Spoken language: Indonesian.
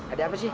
ada apa sih